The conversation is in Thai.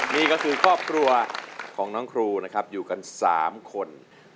นี่ก็คือครอบครัวของน้องครูอยู่กันสามคน